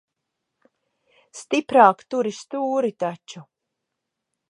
Stiprāk turi stūri taču.